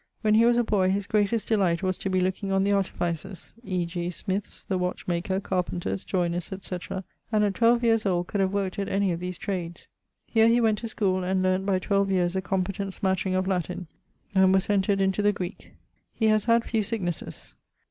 When he was a boy his greatest delight was to be looking on the artificers, e.g. smyths, the watch maker, carpenters, joyners, etc. and at twelve years old could have worked at any of these trades. Here he went to schoole, and learn't by 12 yeares a competent smattering of Latin, and was entred into the Greek. He haz had few sicknesses.